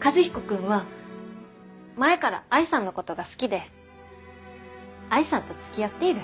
和彦君は前から愛さんのことが好きで愛さんとつきあっている。